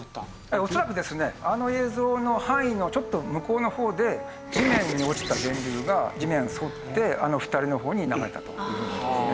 恐らくですねあの映像の範囲のちょっと向こうの方で地面に落ちた電流が地面を沿ってあの２人の方に流れたという事ですね。